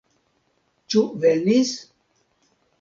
Ĉu venis?